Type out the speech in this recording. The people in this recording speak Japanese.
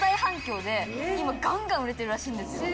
ガンガン売れてるらしいんですよ。